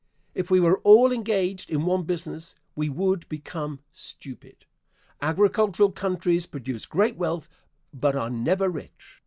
If we were all engaged in one business we would become stupid. Agricultural countries produce great wealth, but are never rich.